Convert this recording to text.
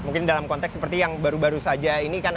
mungkin dalam konteks seperti yang baru baru saja ini kan